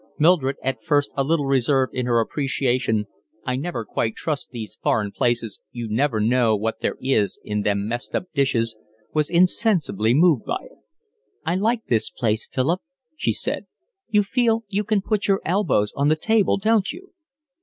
Mildred, at first a little reserved in her appreciation—"I never quite trust these foreign places, you never know what there is in these messed up dishes"—was insensibly moved by it. "I like this place, Philip," she said. "You feel you can put your elbows on the table, don't you?"